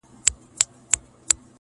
کيسه د فکر سبب ګرځي تل,